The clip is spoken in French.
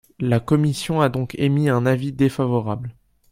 La commission a donc émis un avis défavorable.